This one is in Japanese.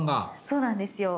そうなんですよ。